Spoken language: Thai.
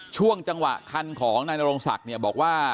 ช่วงจังหวะขันของนายนารงสรรคบอกว่า